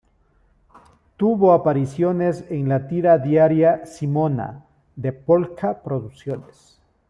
Tuvo apariciones en la tira diaria "Simona", de Pol-ka Producciones.